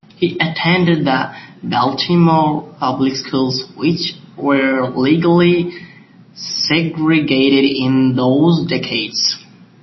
He attended the Baltimore public schools, which were legally segregated in those decades.